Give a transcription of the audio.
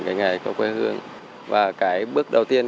cái ngày của quê hương và cái bước đầu tiên